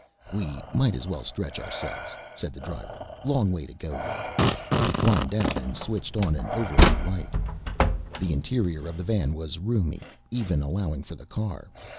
"We might as well stretch ourselves," said the driver. "Long way to go yet." He climbed out and switched on an overhead light. The interior of the van was roomy, even allowing for the car.